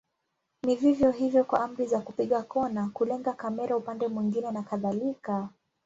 Ni vivyo hivyo kwa amri za kupiga kona, kulenga kamera upande mwingine na kadhalika.